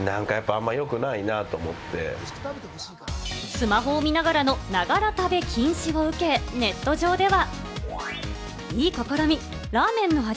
スマホを見ながらのながら食べ禁止を受けネット上では。